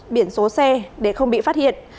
một biển số xe để không bị phát hiện